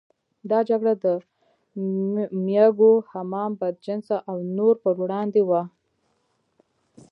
دا جګړه د مېږو، حمام بدجنسه او نورو پر وړاندې وه.